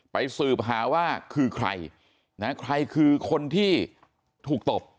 สืบหาว่าคือใครนะใครคือคนที่ถูกตบ